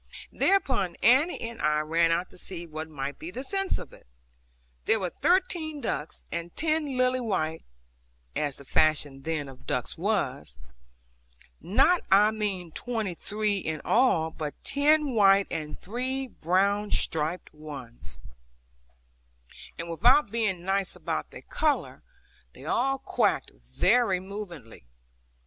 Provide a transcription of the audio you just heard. Thereupon Annie and I ran out to see what might be the sense of it. There were thirteen ducks, and ten lily white (as the fashion then of ducks was), not I mean twenty three in all, but ten white and three brown striped ones; and without being nice about their colour, they all quacked very movingly.